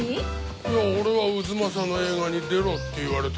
いや俺は太秦の映画に出ろって言われて。